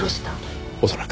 恐らく。